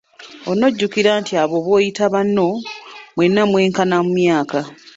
Onojjukira nti abo b'oyita banno mwenna mwenkana mu myaka.